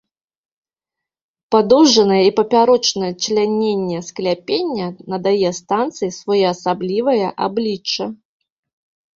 Падоўжнае і папярочнае чляненне скляпення надае станцыі своеасаблівае аблічча.